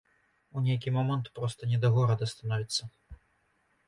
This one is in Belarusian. У нейкі момант проста не да горада становіцца.